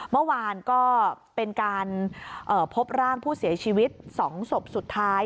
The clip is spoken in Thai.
เมื่อวานก็เป็นการพบร่างผู้เสียชีวิต๒ศพสุดท้าย